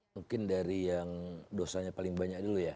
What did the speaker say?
mungkin dari yang dosanya paling banyak dulu ya